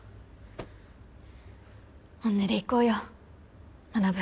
本音でいこうよ学。